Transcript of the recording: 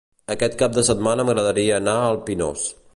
Aquest cap de setmana m'agradaria anar al Pinós.